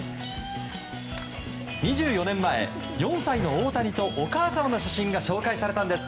２４年前、４歳の大谷とお母様の写真が紹介されたんです。